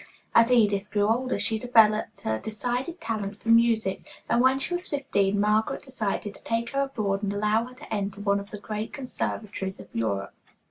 "As Edith grew older, she developed a decided talent for music, and when she was fifteen Margaret decided to take her abroad and allow her to enter one of the great conservatories of Europe.